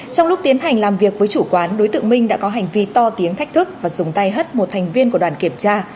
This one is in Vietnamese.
trong lúc tiến hành làm việc với chủ quán đối tượng minh đã có hành vi to tiếng thách thức và dùng tay hất một thành viên của đoàn kiểm tra